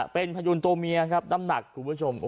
เป็นพยูนตัวเมียครับน้ำหนักคุณผู้ชม